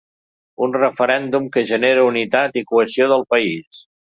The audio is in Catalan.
Un referèndum que genera unitat i cohesió del país.